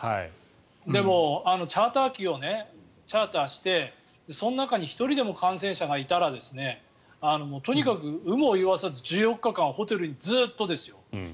でも、チャーター機をチャーターしてその中に１人でも感染者がいたらとにかく有無を言わさず１４日間ホテルにずっとですよ。